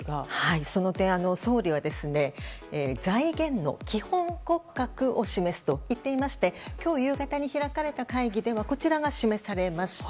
その点、総理は財源の基本骨格を示すと言っていまして今日、夕方に開かれた会議でこちらが示されました。